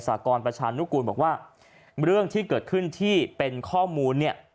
สากรประชานุกูลบอกว่าเรื่องที่เกิดขึ้นที่เป็นข้อมูลเนี่ย